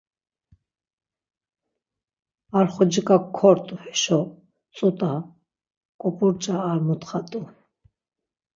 Ar xociǩa kort̆u heşo tzut̆a, ǩop̌urç̌a ar muntxa t̆u.